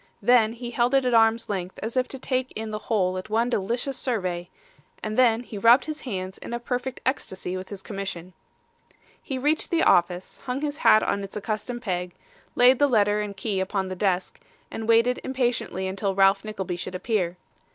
Then he held it at arm's length as if to take in the whole at one delicious survey, and then he rubbed his hands in a perfect ecstasy with his commission. He reached the office, hung his hat on its accustomed peg, laid the letter and key upon the desk, and waited impatiently until Ralph Nickleby should appear.